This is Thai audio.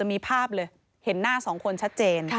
มีภาพเลยเห็นหน้าสองคนชัดเจน